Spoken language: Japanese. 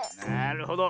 なるほど。